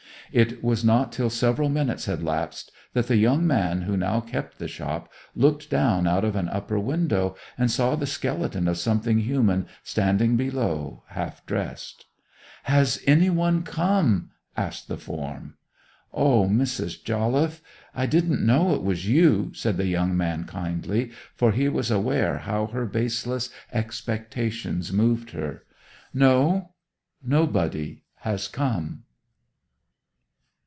It was not till several minutes had elapsed that the young man who now kept the shop looked out of an upper window, and saw the skeleton of something human standing below half dressed. 'Has anybody come?' asked the form. 'O, Mrs. Jolliffe, I didn't know it was you,' said the young man kindly, for he was aware how her baseless expectations moved her. 'No; nobody has come.